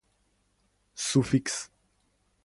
суфикс